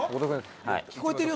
聞こえてるよ